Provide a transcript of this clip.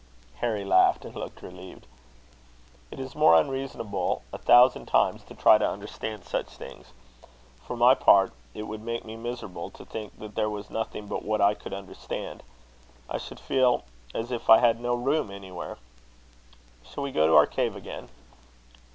Harry laughed, and looked relieved. "It is more unreasonable a thousand times to try to understand such things. For my part, it would make me miserable to think that there was nothing but what I could understand. I should feel as if I had no room anywhere. Shall we go to our cave again?"